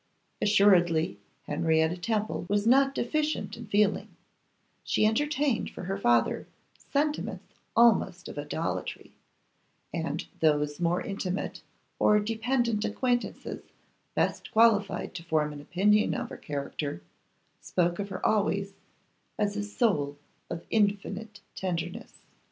Assuredly Henrietta Temple was not deficient in feeling; she entertained for her father sentiments almost of idolatry, and those more intimate or dependent acquaintances best qualified to form an opinion of her character spoke of her always as a soul of infinite tenderness.